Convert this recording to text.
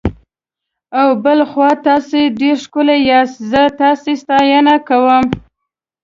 او بل خوا تاسي ډېر ښکلي یاست، زه ستاسي ستاینه کوم.